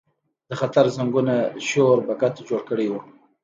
د خطر زنګونو شور بګت جوړ کړی و.